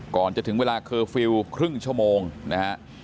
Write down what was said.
ก่อนจะถึงเวลาเคอร์ฟิลล์ครึ่งชั่วโมงนะฮะ